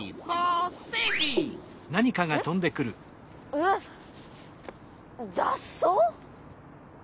うわっざっそう！？